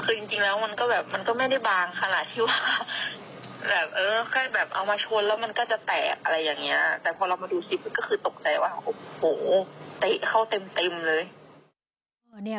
แค่เอามาชนแล้วมันก็จะแตกอะไรอย่างนี้แต่พอเรามาดูซิปก็คือตกใจว่าโอ้โหเตะเข้าเต็มเลย